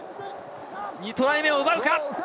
２トライ目を奪うか。